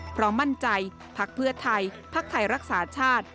เพราะมั่นใจพักเพื่อไทยพักไทยรักษาชาติ